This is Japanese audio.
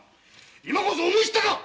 今こそ思い知ったか！